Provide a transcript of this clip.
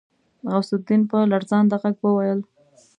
غوث الدين په لړزانده غږ وويل.